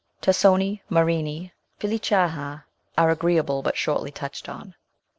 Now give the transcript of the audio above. Tassoni, Marini, Filicaja are agreeable, but shortly touched on.